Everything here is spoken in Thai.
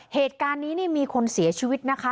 เหตุการณ์นี้นี่มีคนเสียชีวิตนะคะ